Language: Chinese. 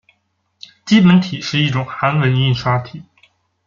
基本体是一种韩文印刷体。